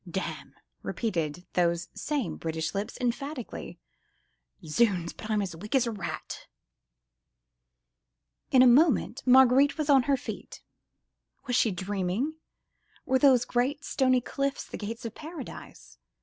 "Damn!" repeated those same British lips, emphatically. "Zounds! but I'm as weak as a rat!" In a moment Marguerite was on her feet. Was she dreaming? Were those great, stony cliffs the gates of paradise?